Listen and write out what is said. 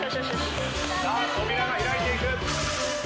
さあ扉が開いていく。